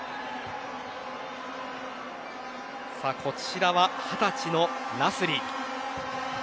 さあ、こちらは２０歳のナスリ。